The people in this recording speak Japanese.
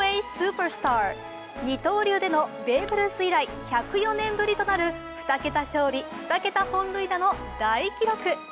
二刀流でのベーブ・ルース以来１０４年ぶりとなる２桁勝利・２桁本塁打の大記録。